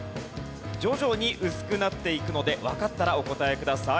徐々に薄くなっていくのでわかったらお答えください。